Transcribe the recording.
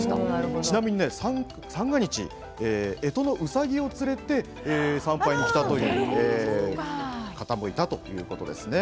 ちなみに三が日、えとのうさぎを連れて参拝に来たという方もいたということですね。